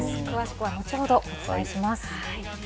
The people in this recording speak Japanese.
詳しくは後ほどお伝えします。